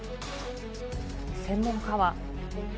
専門家は。